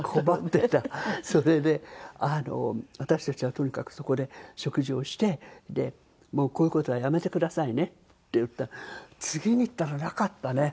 それで私たちはとにかくそこで食事をしてもうこういう事はやめてくださいねって言ったら次に行ったらなかったね。